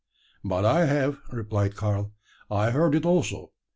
"But I have," replied Karl; "I heard it also.